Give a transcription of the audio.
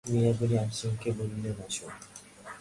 মিয়া গনি হাসিমুখে বললেন, আসুন।